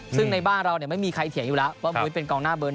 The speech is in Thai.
ซึ่งในบ้านเราไม่มีใครเถียงอยู่แล้วว่ามุ้ยเป็นกองหน้าเบิร์